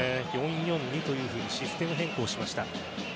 ４−４−２とシステム変更しました。